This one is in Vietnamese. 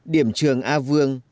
điểm trường a vương